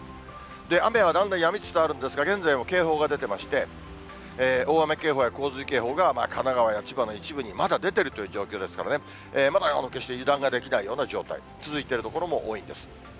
雨はだんだんやみつつあるんですが、現在も警報が出てまして、大雨警報や洪水警報が神奈川や千葉の一部に、まだ出ているという状況ですからね、まだ決して油断ができないような状態、続いてる所も多いんです。